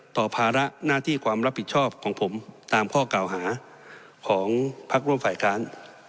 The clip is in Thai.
ภาระหน้าที่ความรับผิดชอบของผมตามข้อกล่าวหาของพักร่วมฝ่ายค้าน